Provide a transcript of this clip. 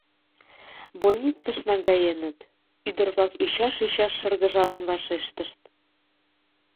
— Больницыш наҥгаеныт, — ӱдыр-влак ӱчаш-ӱчаш шыргыжалын вашештышт.